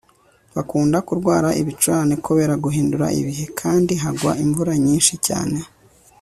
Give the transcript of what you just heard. bakunda kurwara ibicurane kubera guhindura ibihe, kandi hagwa imvura nyinshi cyane